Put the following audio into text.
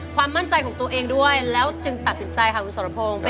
ความมั่นใจของตัวเองด้วยแล้วจึงตัดสินใจค่ะคุณสรพงศ์